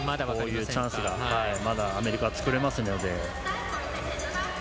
こういうチャンスがまだ、アメリカは作れますので。